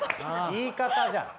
言い方じゃん。